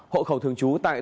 hộ khẩu thường trú tại